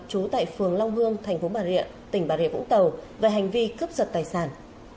trú tại phường long hương thành phố bà rịa tỉnh bà rịa vũng tàu về hành vi cướp giật tài sản